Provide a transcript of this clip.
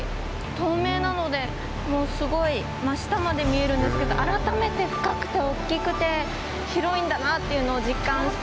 透明なのでもうすごい真下まで見えるんですけど改めて深くて大きくて広いんだなっていうのを実感しております。